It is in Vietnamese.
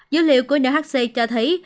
dữ liệu của nhc cho thấy